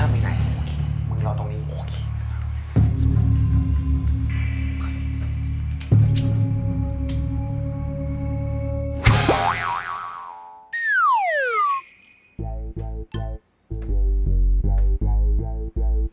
ไปมึงอยู่นี่แหละ